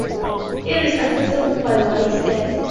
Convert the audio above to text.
It is accessible by wide steps.